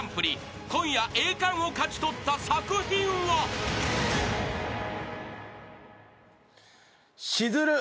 ［今夜栄冠を勝ち取った作品は］しずる。